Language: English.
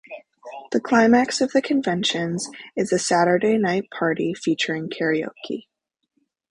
The climax of the conventions is a Saturday night party featuring karaoke.